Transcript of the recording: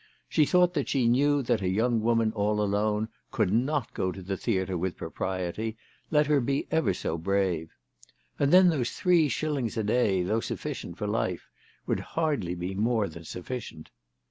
She thought that she knew that a young woman all alone could not go to the theatre with propriety, let her be ever so brave. And then those three shillings a day, though sufficient for life, would hardly be more than sufficient.